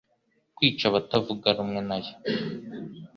kwica abatavuga rumwe nayo